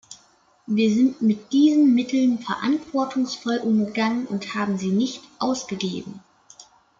Wir sind mit diesen Mitteln verantwortungsvoll umgegangen und haben sie nicht ausgegeben.